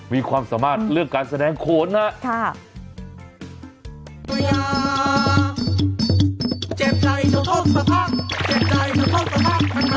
มีความสามารถเรื่องการแสดงโขนนะครับ